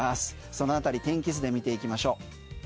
その辺り天気図で見ていきましょう。